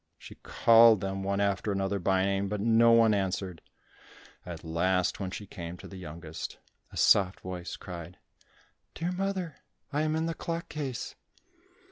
She called them one after another by name, but no one answered. At last, when she came to the youngest, a soft voice cried, "Dear mother, I am in the clock case."